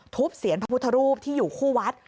เสียนพระพุทธรูปที่อยู่คู่วัด